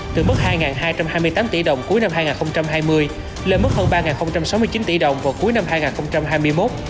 nợ dài hạn tăng mạnh từ mức hai hai trăm hai mươi tám tỷ đồng cuối năm hai nghìn hai mươi lên mức hơn ba sáu mươi chín tỷ đồng vào cuối năm hai nghìn hai mươi một